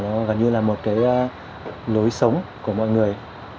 nó gần như là một cái lối sống của mọi người